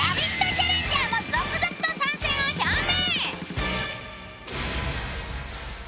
チャレンジャーも続々と参戦を表明。